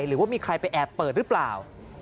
หรือว่ามีใครไปแอบเปิดหรือเปล่า